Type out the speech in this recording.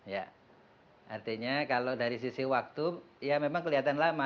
ya artinya kalau dari sisi waktu ya memang kelihatan lama